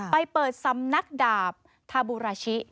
ไปเปิดสำนักดาบทาบูราชิ